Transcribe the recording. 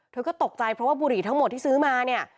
เธอก็ตกใจเพราะว่าบุหรี่ทั้งหมดที่ซื้อมาเนี่ย